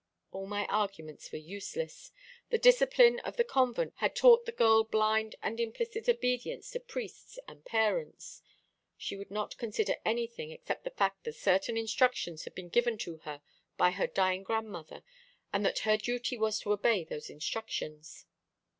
All my arguments were useless. The discipline of the convent had taught the girl blind and implicit obedience to priests and parents. She would not consider anything except the fact that certain instructions had been given to her by her dying grandmother, and that her duty was to obey those instructions.